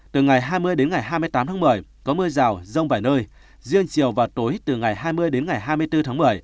từ ngày hai mươi đến ngày hai mươi tám tháng một mươi có mưa rào rông vài nơi riêng chiều và tối từ ngày hai mươi đến ngày hai mươi bốn tháng một mươi